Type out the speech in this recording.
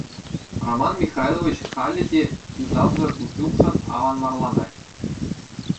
Роман Михайлович халӗ те юсавсӑр утюгшӑн аванмарланать.